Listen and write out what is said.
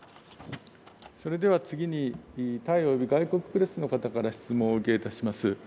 それでは次にタイおよび外国プレスの方から質問をお受けいたします。